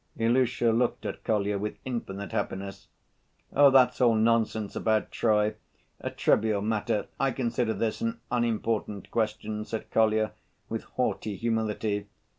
Ilusha looked at Kolya with infinite happiness. "Oh, that's all nonsense about Troy, a trivial matter. I consider this an unimportant question," said Kolya with haughty humility.